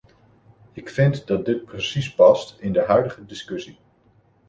Ik vind dat dit precies past in de huidige discussie.